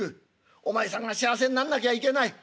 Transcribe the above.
お前さんが幸せになんなきゃいけない。